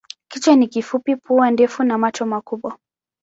Kichwa ni kifupi, pua ndefu na macho makubwa.